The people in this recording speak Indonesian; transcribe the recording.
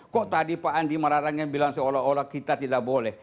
kok tadi pak andi malarangin bilang seolah olah kita tidak boleh